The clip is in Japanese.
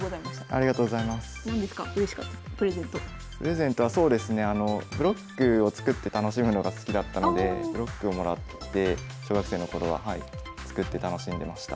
プレゼントはそうですねブロックを作って楽しむのが好きだったのでブロックをもらって小学生の頃ははい作って楽しんでました。